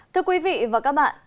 thưa quý vị và các bạn